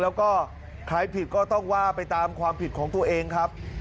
แล้วก็ใครผิดก็ต้องว่าไปตามความผิดของตัวเองครับ